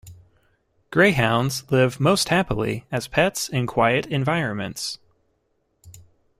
Greyhounds live most happily as pets in quiet environments.